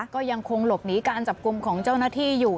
ก็ยังคงหลบหนีการจับกลุ่มของเจ้าหน้าที่อยู่